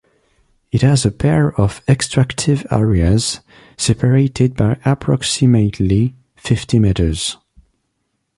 It has a pair of extractive areas separated by approximately fifty meters.